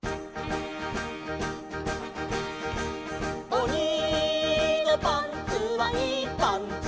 「おにのパンツはいいパンツ」